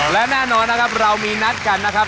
และแน่นอนนะครับเรามีนัดกันนะครับ